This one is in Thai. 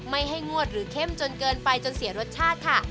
ไม่ให้งวดหรือเข้มจนเกินไปจนเสียรสชาติค่ะ